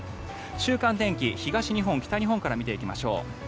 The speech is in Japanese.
週間天気、東日本、北日本から見ていきましょう。